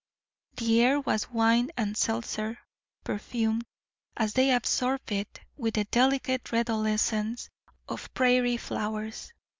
The air was wine and seltzer, perfumed, as they absorbed it, with the delicate redolence of prairie flowers.